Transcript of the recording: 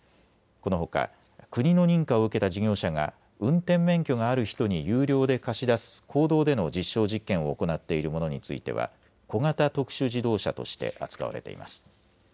このほか国の認可を受けた事業者が運転免許がある人に有料で貸し出す公道での実証実験を行っているものについては小型特殊自動車として扱われています。